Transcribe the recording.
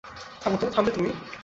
থামো তো, থামবে তুমি?